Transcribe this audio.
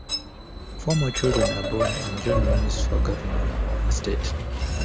Four more children are born, and John runs for governor of the state.